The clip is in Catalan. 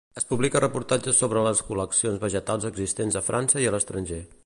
Es publica reportatges sobre les col·leccions vegetals existents a França i a l'estranger.